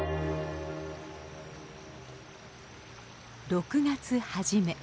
６月初め。